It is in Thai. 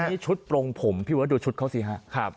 อันนี้ชุดปลงผมพี่วัดดูชุดเขาสิฮะ